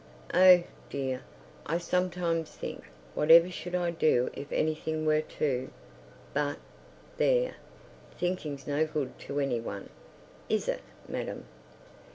... Oh dear, I sometimes think... whatever should I do if anything were to.... But, there, thinking's no good to anyone—is it, madam?